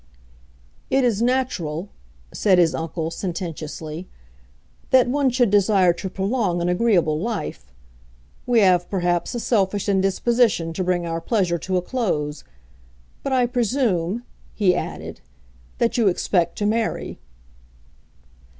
"It is natural," said his uncle, sententiously, "that one should desire to prolong an agreeable life. We have perhaps a selfish indisposition to bring our pleasure to a close. But I presume," he added, "that you expect to marry."